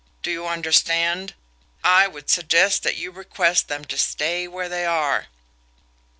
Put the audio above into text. Do you understand? I would suggest that you request them to stay where they are."